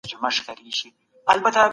موږ وخت مراعتوو.